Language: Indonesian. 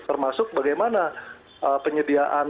termasuk bagaimana penyediaan